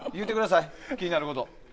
気になること。